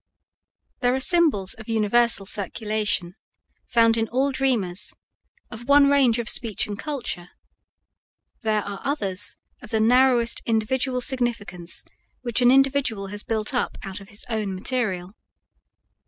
There are symbols of universal circulation, found in all dreamers, of one range of speech and culture; there are others of the narrowest individual significance which an individual has built up out of his own material.